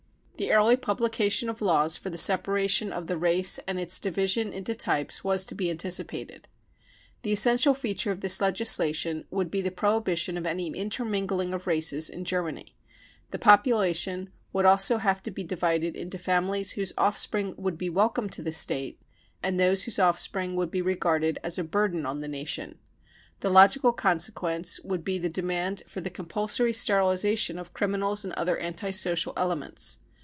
. 46 The early publication of laws for the separation of the race and its division into types was to be anticipated ." The essential feature of this legislation would be the prohibition of any intermingling of races in Germany ; the population would also have to be divided into families whose offspring would be welcome to the Sjate, and those whose offspring would be regarded as a burden on the nation. The logical consequence would be the demand for the compulsory sterilisation of criminals and other anti social elements.